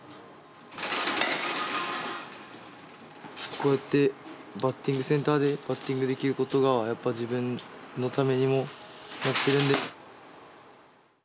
こうやってバッティングセンターでバッティングできることがやっぱ自分のためにもなってるんで。